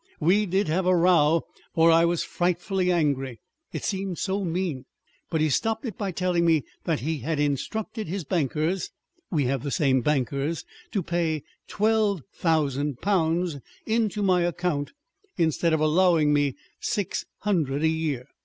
We did have a row, for I was frightfully angry. It seemed so mean. But he stopped it by telling me that he had instructed his bankers we have the same bankers to pay twelve thousand pounds into my account instead of allowing me six hundred a year."